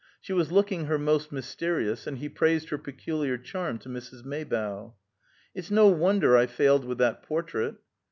She was looking her most mysterious, and he praised her peculiar charm to Mrs. Maybough. "It's no wonder I failed with that portrait."